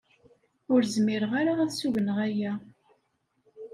Ur zmireɣ ara ad ssugneɣ aya.